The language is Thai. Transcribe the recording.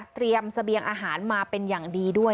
เสบียงอาหารมาเป็นอย่างดีด้วย